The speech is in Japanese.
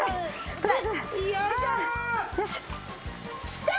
きた！